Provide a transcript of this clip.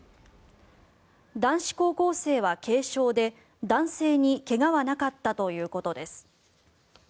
男子高校生は軽傷で男性に怪我はなかったということです。